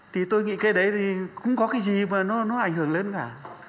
thì tôi nghĩ cái đấy thì cũng có cái gì mà nó ảnh hưởng lên cả